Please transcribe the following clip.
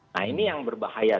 nah ini yang berbahaya